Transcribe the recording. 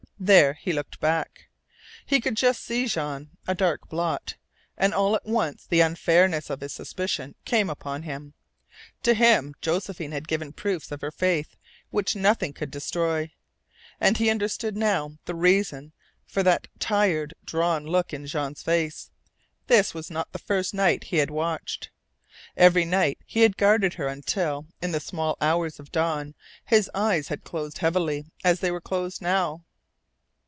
There he looked back. He could just see Jean, a dark blot; and all at once the unfairness of his suspicion came upon him. To him Josephine had given proofs of her faith which nothing could destroy. And he understood now the reason for that tired, drawn look in Jean's face. This was not the first night he had watched. Every night he had guarded her until, in the small hours of dawn, his eyes had closed heavily as they were closed now.